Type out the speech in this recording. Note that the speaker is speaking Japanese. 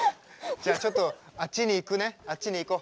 じゃあちょっとあっちに行くねあっちに行こう。